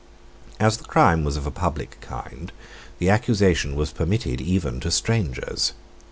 As the crime was of a public kind, the accusation was permitted even to strangers.